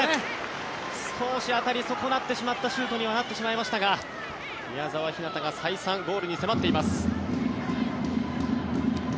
少し当たり損なってしまったシュートにはなってしまいましたが宮澤ひなたが再三、ゴールに迫っています。